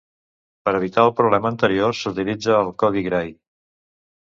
Per evitar el problema anterior, s'utilitza el Codi Gray.